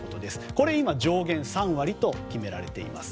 これは今上限３割と決められています。